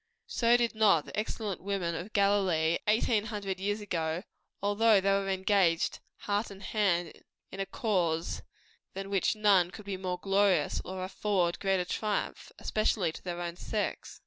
So did not the excellent women of Galilee, eighteen hundred years ago; although they were engaged, heart and hand, in a cause than which none could be more glorious, or afford a greater triumph, especially to their own sex.